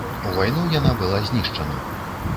У вайну яна была знішчана.